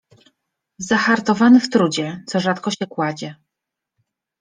Zahartowany w trudzie, co rzadko się kładzie